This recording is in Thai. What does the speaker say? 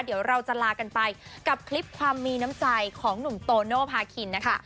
เดี๋ยวเราจะลากันไปกับคลิปความมีน้ำใจของหนุ่มโตโนภาคินนะคะ